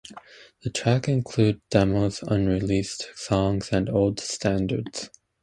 The tracks include demos, unreleased songs and old standards.